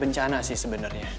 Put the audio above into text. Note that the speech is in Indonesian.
bencana sih sebenernya